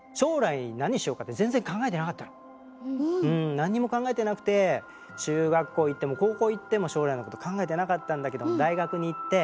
何にも考えてなくて中学校行っても高校行っても将来のこと考えてなかったんだけど大学に行ってあ